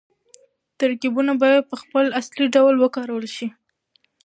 ترکيبونه بايد په خپل اصلي ډول وکارول شي.